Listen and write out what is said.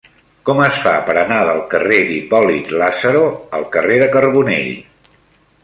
Com es fa per anar del carrer d'Hipòlit Lázaro al carrer de Carbonell?